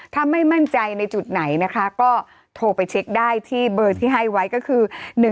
ถ้าไม่มั่นใจในจุดไหนนะคะก็โทรไปเช็คได้ที่เบอร์ที่ให้ไว้ก็คือ